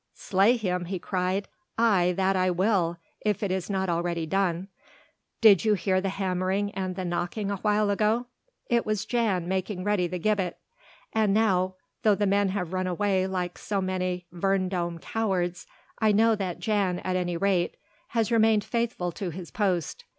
"Slay him," he cried, "aye that I will, if it is not already done. Did you hear the hammering and the knocking awhile ago? It was Jan making ready the gibbet. And now though the men have run away like so many verdommde cowards, I know that Jan at any rate has remained faithful to his post.